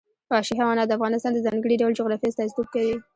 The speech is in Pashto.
وحشي حیوانات د افغانستان د ځانګړي ډول جغرافیه استازیتوب کوي.